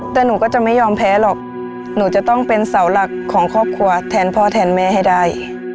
แต่หนูก็จะไม่ยอมแพ้หรอกหนูจะต้องเป็นเสาหลักของครอบครัวแทนพ่อแทนแม่ให้ได้